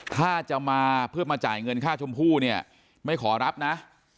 ถ้าจะมาเพื่อมาจ่ายเงินค่าชมพู่เนี่ยไม่ขอรับนะ